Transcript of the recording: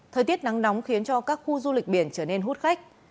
thời tiết nắng nóng khiến cho các khu du lịch biển trở nên hút khách